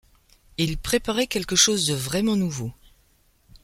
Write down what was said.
Ils prépareraient quelque chose de vraiment nouveau.